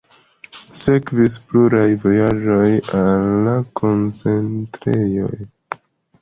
Sekvis pluaj vojaĝoj al koncentrejoj.